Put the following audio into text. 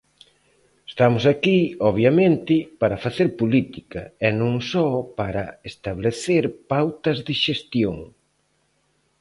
Estamos aquí, obviamente, para facer política, e non só para establecer pautas de xestión.